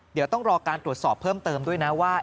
เดี๋ยวต้องรอการตรวจสอบเพิ่มเติมด้วยนะว่า